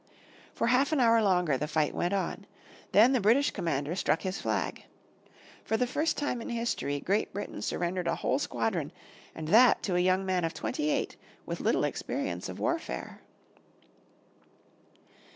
For half an hour longer the fight went on. Then the British Commander struck his flag. For the first time in history Great Britain surrendered a whole squadron, and that to a young man of twenty eight with little experience of warfare.